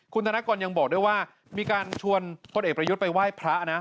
คุณธนกรยังบอกด้วยว่ามีการชวนพลเอกประยุทธ์ไปไหว้พระนะ